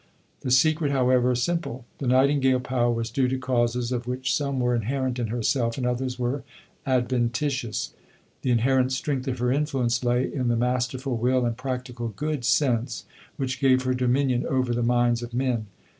The secret, however, is simple. "The Nightingale power" was due to causes of which some were inherent in herself and others were adventitious. The inherent strength of her influence lay in the masterful will and practical good sense which gave her dominion over the minds of men.